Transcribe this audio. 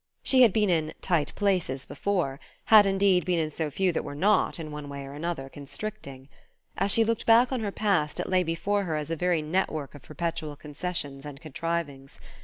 She had been in "tight places" before; had indeed been in so few that were not, in one way or another, constricting! As she looked back on her past it lay before her as a very network of perpetual concessions and contrivings.